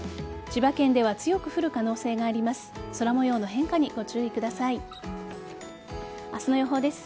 千葉県では強く降る可能性があります。